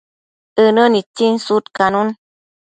ënë nitsin sudcanun